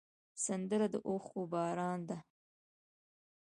سندره د اوښکو باران ده